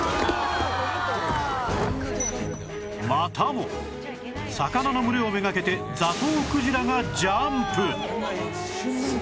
またも魚の群れを目掛けてザトウクジラがジャンプ！